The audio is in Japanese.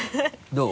どう？